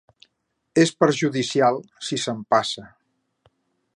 És perjudicial si s'empassa.